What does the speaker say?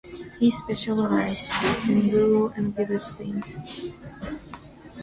He specialized in rural and village scenes.